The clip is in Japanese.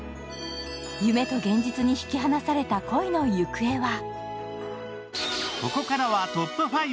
夢と現実に引き離された恋の行方は？